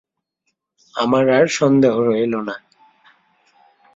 আমার আর সন্দেহ রহিল না।